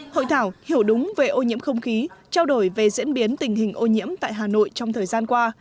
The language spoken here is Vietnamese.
hội thảo hiểu đúng về ô nhiễm không khí trao đổi về diễn biến tình hình ô nhiễm tại hà nội trong thời gian qua